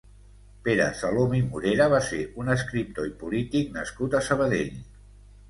Pere Salom i Morera va ser un escriptor i polític nascut a Sabadell.